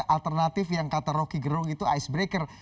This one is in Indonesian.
alternatif yang kata rocky gerung itu icebreaker